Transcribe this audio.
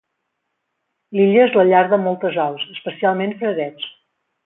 L'illa és la llar de moltes aus, especialment frarets.